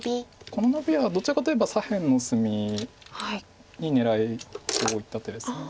このノビはどちらかといえば左辺の薄みに狙いを置いた手です。